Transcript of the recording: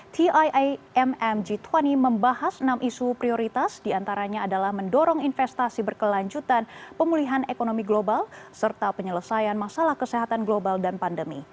tiammg dua puluh membahas enam isu prioritas diantaranya adalah mendorong investasi berkelanjutan pemulihan ekonomi global serta penyelesaian masalah kesehatan global dan pandemi